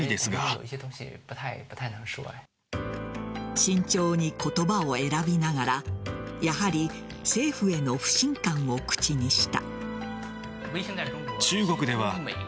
慎重に言葉を選びながらやはり政府への不信感を口にした。